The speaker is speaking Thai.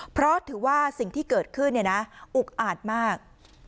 เพราะถือว่าสิ่งที่เกิดขึ้นอุกอาจมาก